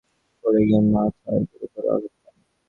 এ সময় তিনি ভবন থেকে নিচে পড়ে গিয়ে মাথায় গুরুতর আঘাত পান।